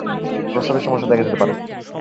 প্রস্রাবের সমস্যা দেখা দিতে পারে।